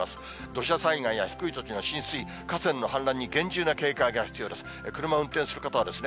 土砂災害や低い土地の浸水、河川の氾濫に厳重な警戒が必要です。